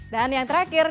dan yang terakhir